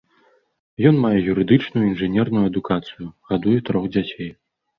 Ён мае юрыдычную і інжынерную адукацыю, гадуе трох дзяцей.